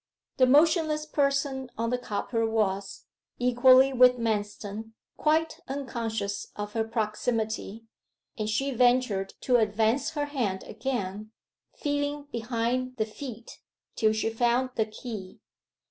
The motionless person on the copper was, equally with Manston, quite unconscious of her proximity, and she ventured to advance her hand again, feeling behind the feet, till she found the key.